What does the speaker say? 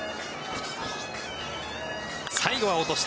最後は落として。